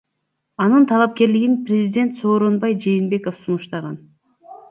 Анын талапкерлигин президент Сооронбай Жээнбеков сунуштаган.